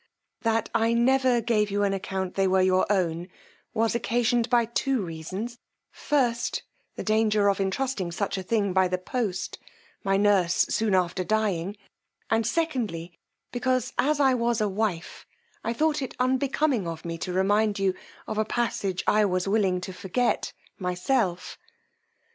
That I never gave you an account they were your own, was occasioned by two reasons, first, the danger of entrusting such a thing by the post, my nurse soon after dying; and secondly, because, as I was a wife, I thought it unbecoming of me to remind you of a passage I was willing to forget myself.